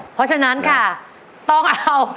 เพราะฉะนั้นค่ะต้องเอา